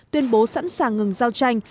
tuyên bố sẵn sàng ngừng giao tranh